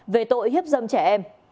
về tội hiếp dâm trẻ em